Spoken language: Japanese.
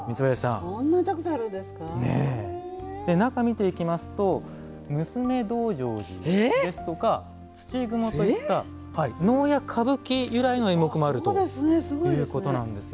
そんなにたくさん中を見ていきますと「娘道成寺」ですとか「土蜘蛛」といった能や歌舞伎由来の演目もあるということなんですよ。